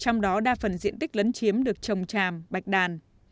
trong đó đa phần diện tích lấn chiếm được trồng tràm bạch đàn